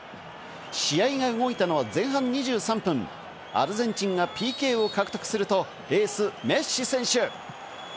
試合が動いたのは前半２３分、アルゼンチンがＰＫを獲得すると、エース、メッシ選手。